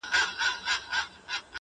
چي له هیبته به یې سرو سترگو اورونه شیندل